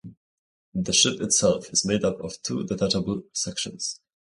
The ship itself is made up of two detachable sections.